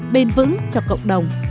bền vững cho cộng đồng và xã hội